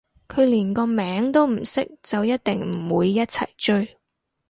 但連個名都唔識就一定唔會一齊追